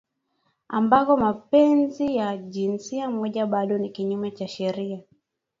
ambako mapenzi ya jinsia moja bado ni kinyume cha sheria